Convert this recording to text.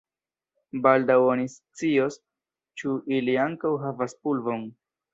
Baldaŭ oni scios, ĉu ili ankaŭ havas pulvon.